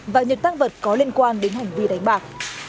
và những tăng vật có liên quan đến hành vi đánh bạc